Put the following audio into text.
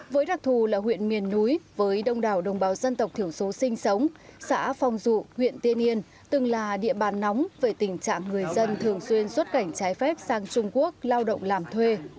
với đặc thù là huyện miền núi với đông đảo đồng bào dân tộc thiểu số sinh sống xã phong dụ huyện tiên yên từng là địa bàn nóng về tình trạng người dân thường xuyên xuất cảnh trái phép sang trung quốc lao động làm thuê